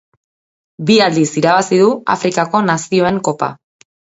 Bi aldiz irabazi du Afrikako Nazioen Kopa.